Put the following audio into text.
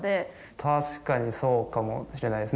確かにそうかもしれないです